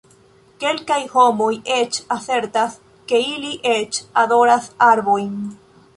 Kelkaj homoj eĉ asertas, ke ili eĉ adoras arbojn.